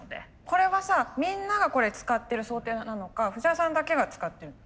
これはさみんながこれ使ってる想定なのか藤原さんだけが使ってるの？